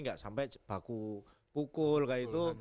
nggak sampai baku pukul kayak itu